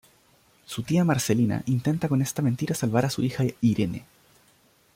Su tía Marcelina intenta con esta mentira salvar a su hija Irene.